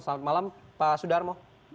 selamat malam pak sudarmo